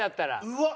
うわっ！